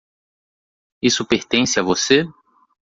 Isso pertence a você?